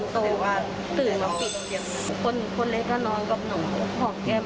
โตแล้วก็เลยปื๊บ